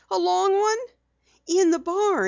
"A long one?" "In the barn.